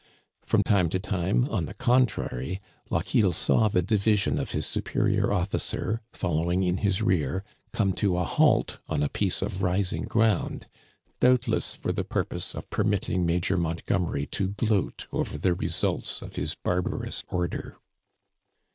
From time to time, on the contrary, Lochiel saw the division of his superior officer, following in his rear, come to a halt on a piece of rising ground, doubtless for the purpose of permitting Major Montgomery to gloat over the results of his barbarous order.